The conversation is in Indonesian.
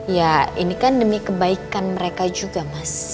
ya ini kan demi kebaikan mereka juga mas